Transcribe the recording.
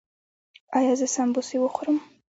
ایا زه سموسې وخورم؟